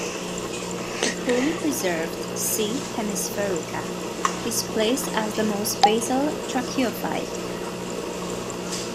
The poorly preserved "C. hemisphaerica" is placed as the most basal tracheophyte.